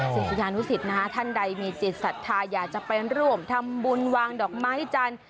ศิษยานุสิตนะคะท่านใดมีจิตศรัทธาอยากจะไปร่วมทำบุญวางดอกไม้จันทร์